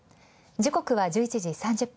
時刻は１１時３０分。